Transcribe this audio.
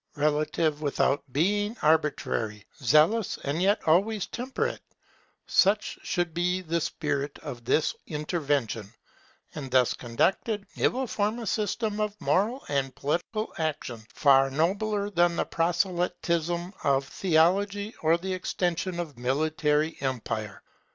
Relative without being arbitrary, zealous and yet always temperate; such should be the spirit of this intervention; and thus conducted, it will form a system of moral and political action far nobler than the proselytism of theology or the extension of military empire.